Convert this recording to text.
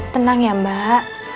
tenang ya mbak